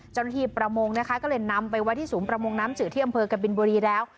เจ้าหน้าที่ประมงก็เลยนำไปไว้ที่สูงประมงน้ำสื่อที่อำเภอกับบิลบุรีแล้ว